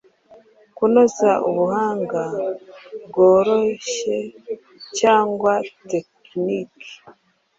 Kunoza ubuhanga bworohye cyangwa tekiniki